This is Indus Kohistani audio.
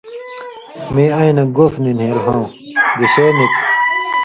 مِیں اَیں نہ گُف نی نھېل ہؤں، گِشے نِک؟